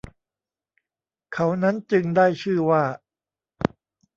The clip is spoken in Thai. เขานั้นจึง ได้ชื่อว่า